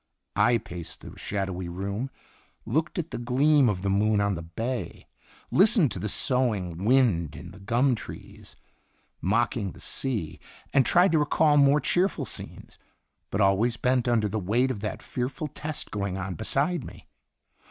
I paced the shadowy room, looked at the gleam of the moon on the bay, listened to the soughing wind in the gum trees mocking the sea, and tried to recall more cheerful scenes, but always bent under the weight of that fearful test going on beside me.